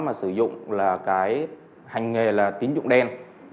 mà sử dụng là cái hành nghề là tín dụng đen